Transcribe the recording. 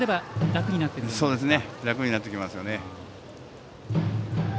楽になってきますよね。